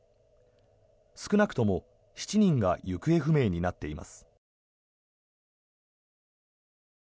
少なくとも７人が行方不明になっています。